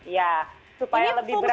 ya supaya lebih berat